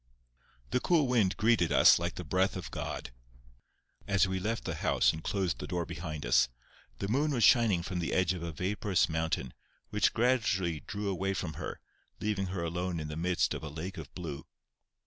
The cool wind greeted us like the breath of God, as we left the house and closed the door behind us. The moon was shining from the edge of a vaporous mountain, which gradually drew away from her, leaving her alone in the midst of a lake of blue.